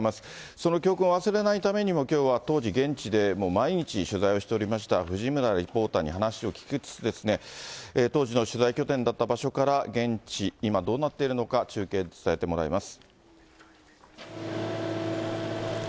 その教訓を忘れないためにも、きょうは当時、現地で毎日、取材をしておりました藤村リポーターに話を聞きつつですね、当時の取材拠点だった場所から、現地、今どうなっているのか中継で伝えてもらいます。